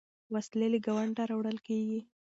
وسلې له ګاونډه راوړل کېږي.